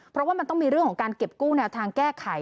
เพราะว่ามันต้องมีเรื่องของการเก็บกู้แนวทางแก้ไข